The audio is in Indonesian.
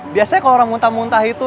biasanya kalau orang muntah muntah itu